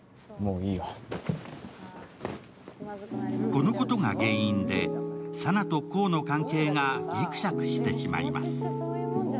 このことが原因で佐奈と功の関係がぎくしゃくしてしまいます。